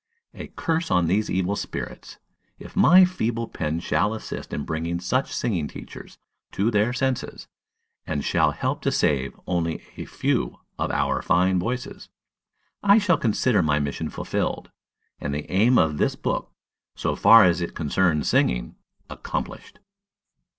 A curse on these evil spirits! If my feeble pen shall assist in bringing such singing teachers to their senses, and shall help to save only a few of our fine voices, I shall consider my mission fulfilled, and the aim of this book, so far as it concerns singing, accomplished.